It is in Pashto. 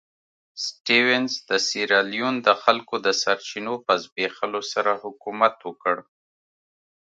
سټیونز د سیریلیون د خلکو د سرچینو په زبېښلو سره حکومت وکړ.